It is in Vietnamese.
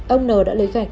ông n đã lấy gạch đập ra